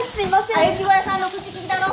はい越後屋さんの口利きだろ。